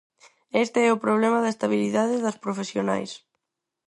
Este é o problema da estabilidade das profesionais.